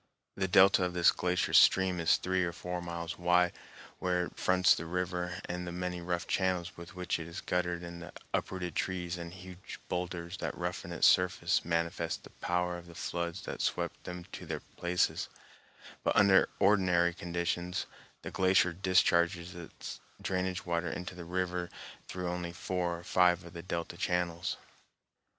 The delta of this glacier stream is three or four miles wide where it fronts the river, and the many rough channels with which it is guttered and the uprooted trees and huge boulders that roughen its surface manifest the power of the floods that swept them to their places; but under ordinary conditions the glacier discharges its drainage water into the river through only four or five of the delta channels.